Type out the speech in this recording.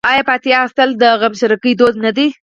آیا فاتحه اخیستل د غمشریکۍ دود نه دی؟